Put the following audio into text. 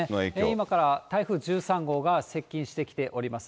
今から台風１３号が接近してきております。